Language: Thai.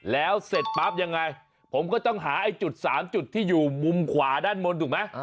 แล้วเสร็จปั๊บยังไงผมก็ต้องหาไอ้จุด๓จุดที่อยู่มุมขวาด้านบนถูกไหม